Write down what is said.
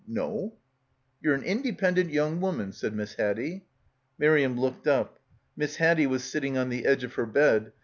"No." "Ye're an independent young woman," said Miss Haddie. Miriam looked up. Miss Haddie was sitting on the edge of her bed.